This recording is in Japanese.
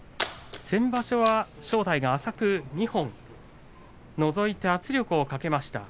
先場所は正代が浅く二本のぞいて圧力をかけました。